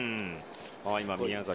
宮崎